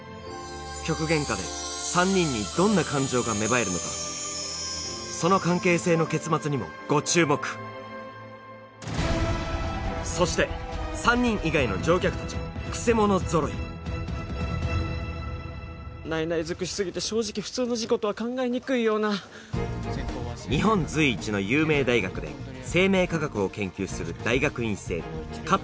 極限下で３人にどんな感情が芽生えるのかその関係性の結末にもご注目そして３人以外の乗客たちもクセ者ぞろいないない尽くしすぎて正直普通の事故とは考えにくいような日本随一の有名大学で生命科学を研究する大学院生加藤